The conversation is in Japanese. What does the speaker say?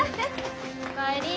お帰り。